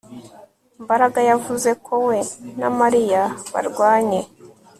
Mbaraga yavuze ko we na Mariya barwanye